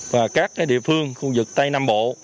và các địa phương khu vực tây nam bộ